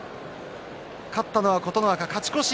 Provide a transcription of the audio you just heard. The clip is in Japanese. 勝ったのは琴ノ若、勝ち越し。